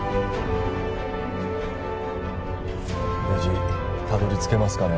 無事たどり着けますかね